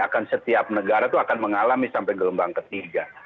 akan setiap negara itu akan mengalami sampai gelombang ketiga